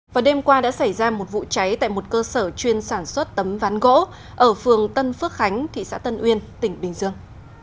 vào đêm qua đã xảy ra một vụ cháy tại một cơ sở chuyên sản xuất tấm ván gỗ ở phường tân phước khánh thị xã tân uyên tỉnh bình dương